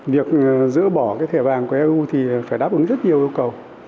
việc giữ bỏ thẻ vàng của eu thì phải đáp ứng rất nhiều yêu cầu